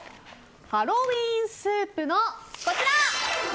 ハロウィーンのスープのこちら。